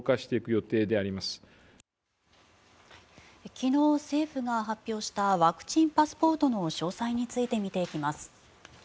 昨日、政府が発表したワクチンパスポートの詳細について見ていきます。